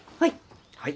はい！